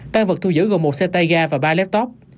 tăng vật thu giữ gồm một xe tay ga và ba laptop